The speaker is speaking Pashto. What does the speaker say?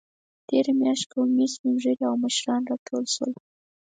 تېره میاشت قومي سپینږیري او مشران راټول شول.